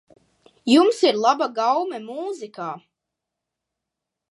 Jums ir laba gaume mūzikā.